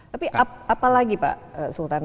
tapi apa lagi pak sultan